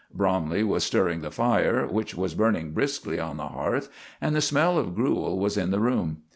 Bromley was stirring the fire, which was burning briskly on the hearth, and the smell of gruel was in the room.